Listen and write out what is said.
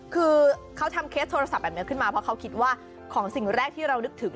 คือเขาทำเคสโทรศัพท์แบบนี้ขึ้นมาเพราะเขาคิดว่าของสิ่งแรกที่เรานึกถึง